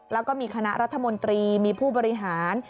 แล้วก็มีคณะรัฐมนตรีมีผู้บริหาร